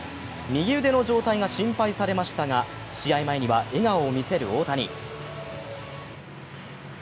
右腕の状態が心配されましたが試合前には笑顔を見せる大谷。